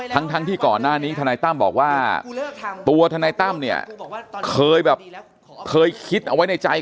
ทั้งที่ก่อนหน้านี้ธนายตั้มบอกว่าตัวทนายตั้มเนี่ยเคยแบบเคยคิดเอาไว้ในใจ